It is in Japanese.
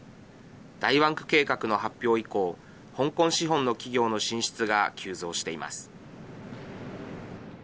大湾区計画の発表以降香港資本の企業の進出が急増しています。